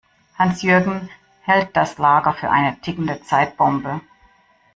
Hans-Jürgen hält das Lager für eine tickende Zeitbombe.